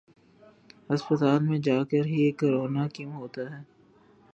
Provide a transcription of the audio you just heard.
ہسپتال میں جاکر ہی کرونا کیوں ہوتا ہے ۔